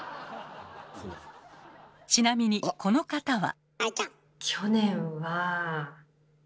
ちなみにこの方は。